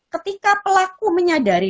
ketika pelaku menyadari